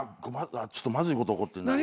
ちょっとまずいこと起こってんな。